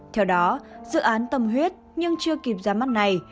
theo đó dự án tâm huyết nhưng chưa kịp ra mắt này